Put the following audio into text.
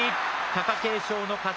貴景勝の勝ち。